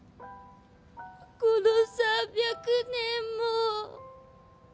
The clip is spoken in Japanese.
この３００年も。